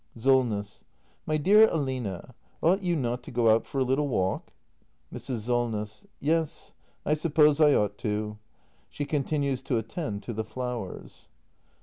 Solness. My dear Aline, ought you not to go out for a little walk ? Mrs. Solness. Yes, I suppose I ought to. [She continues to attend to the flowers.